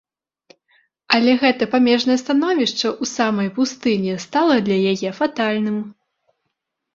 Але гэта памежнае становішча ў самай пустыні стала для яе фатальным.